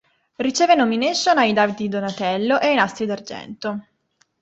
Riceve nomination ai David di Donatello e ai Nastri d'argento.